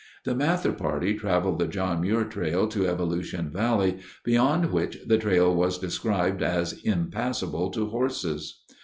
The Mather party traveled the John Muir Trail to Evolution Valley, beyond which the trail was described as impassable to horses.